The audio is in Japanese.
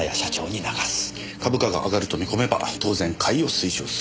株価が上がると見込めば当然買いを推奨すると。